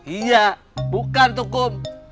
iya bukan tukum